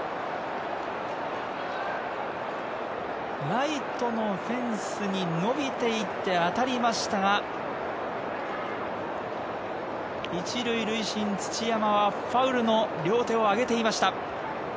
ライトのフェンスに伸びていって当たりましたが、１塁塁審・土山はファウルの両手を上げていました。